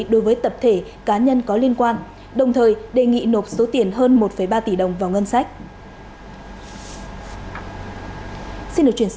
đối với tập thể cá nhân có liên quan đồng thời đề nghị nộp số tiền hơn một ba tỷ đồng vào ngân sách